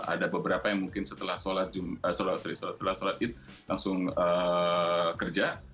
ada beberapa yang mungkin setelah sholat id langsung kerja